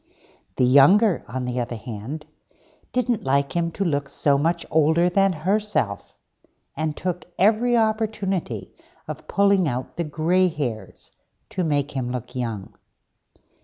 The younger, on the other hand, didn't like him to look so much older than herself, and took every opportunity of pulling out the grey hairs, to make him look young.